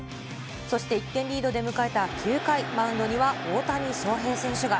そして１点リードで迎えた９回、マウンドには大谷翔平選手が。